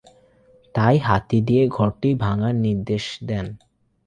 তাই হাতি দিয়ে ঘরটি ভাঙ্গার নির্দেশ দেন।